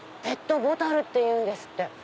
ペットボタルっていうんですって。